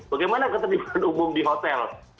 bagaimana ketertiban umum di hotel